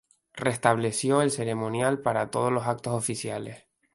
Restableció el ceremonial para todos los actos oficiales.